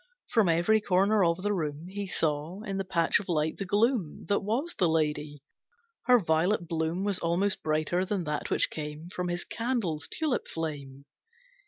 From every corner of the room He saw, in the patch of light, the gloom That was the lady. Her violet bloom Was almost brighter than that which came From his candle's tulip flame.